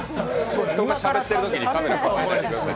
人がしゃべってるときにカメラ構えるのやめてください。